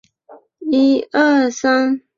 腹斧角水蚤为角水蚤科角水蚤属下的一个种。